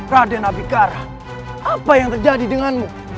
raden abicara apa yang terjadi denganmu